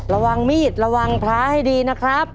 ระวังมีดระวังพระให้ดีนะครับ